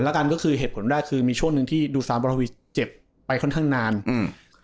แล้วกันก็คือเหตุผลแรกคือมีช่วงหนึ่งที่ดูซาบรวีเจ็บไปค่อนข้างนานอืม